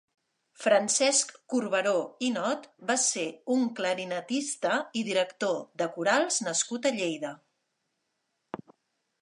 Francesc Corberó i Not va ser un clarinetista i director de corals nascut a Lleida.